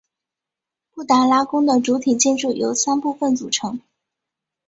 布达拉宫的主体建筑由三部分组成。